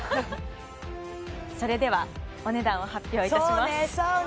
それではお値段を発表いたしますそうね